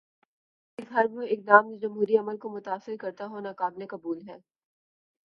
میرے نزدیک ہر وہ اقدام جو جمہوری عمل کو متاثر کرتا ہو، ناقابل قبول ہے۔